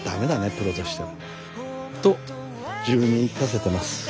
プロとしては。と自分に言い聞かせてます。